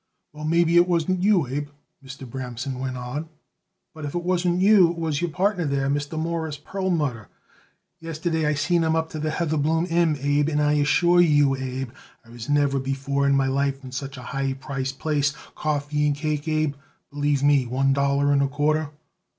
"Well, maybe it wasn't you, Abe," Mr. Bramson went on; "but if it wasn't you it was your partner there, that Mawruss Perlmutter. Yesterday I seen him up to the Heatherbloom Inn, Abe, and I assure you, Abe, I was never before in my life in such a high price place coffee and cake, Abe, believe me, one dollar and a quarter."